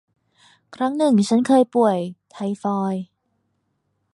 ครั้งหนึ่งฉันเคยป่วย ไทฟอยด์